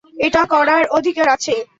এটা করার অধিকার আছে।